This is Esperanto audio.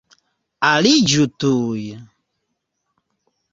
Aliĝu tuj!